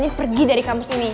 aku mau cewek asongan